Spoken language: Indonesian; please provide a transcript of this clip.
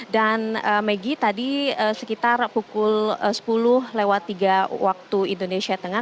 dan maggie tadi sekitar pukul sepuluh lewat tiga waktu indonesia tengah